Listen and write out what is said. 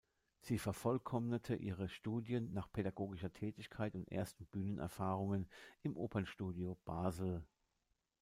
Sie vervollkommnete ihre Studien nach pädagogischer Tätigkeit und ersten Bühnenerfahrungen im Opernstudio Basel.